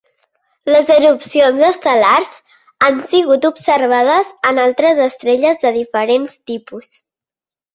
Les erupcions estel·lars han sigut observades en altres estrelles de diferents tipus.